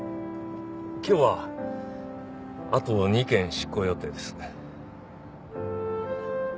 今日はあと２件執行予定です。